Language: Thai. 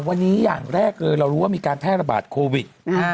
วันนี้อย่างแรกเลยเรารู้ว่ามีการแพร่ระบาดโควิด